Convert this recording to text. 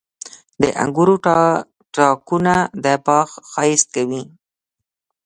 • د انګورو تاکونه د باغ ښایست کوي.